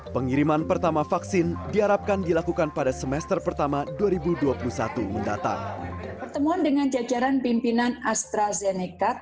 pengiriman pertama vaksin diharapkan dilakukan pada semester pertama dua ribu dua puluh satu mendatang